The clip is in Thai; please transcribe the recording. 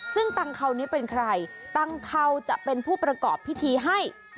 ซึ่งตังเข่านี้เป็นใครตังเข่าจะเป็นผู้ประกอบพิธีให้